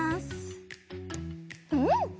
うん！